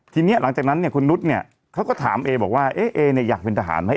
ทีนี้หลังจากนั้นเนี่ยคุณนุษย์เนี่ยเขาก็ถามเอบอกว่าเอ๊เอเนี่ยอยากเป็นทหารไหม